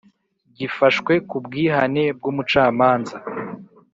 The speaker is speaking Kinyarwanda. gifashwe ku bwihane bw umucamanza